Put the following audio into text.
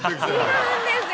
違うんですよ！